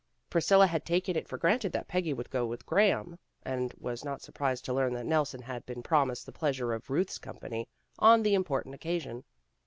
Priscilla had taken it for granted that Peggy would go with Graham, and was not surprised to learn that Nelson had been promised the pleasure of Ruth's company on the important occasion.